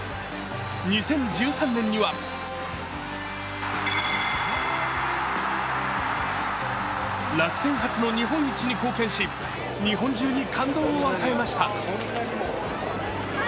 ２０１３年には楽天初の日本一に貢献し日本中に感動を与えました。